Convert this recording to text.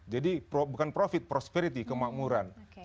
jadi bukan profit prosperity kemakmuran